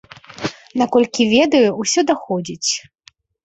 Наколькі ведаю, усё даходзіць.